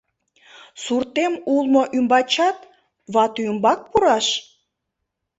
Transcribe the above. Суртем улмо ӱмбачат ватӱмбак пураш?